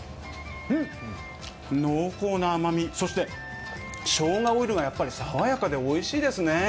濃厚な甘み、そしてしょうがオイルが爽やかでおいしいですね。